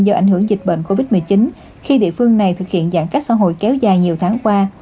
do ảnh hưởng dịch bệnh covid một mươi chín khi địa phương này thực hiện giãn cách xã hội kéo dài nhiều tháng qua